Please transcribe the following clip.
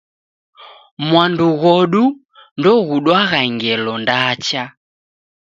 Mwandu ghodu ndoghudwagha ngelo ndacha.